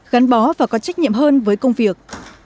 gắn bó và có trách nhiệm hơn với công việc